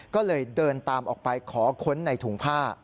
ก็เลยเดินตามออกไปขอค้นในถุงผ้า